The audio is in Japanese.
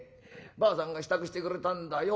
ばあさんが支度してくれたんだよ。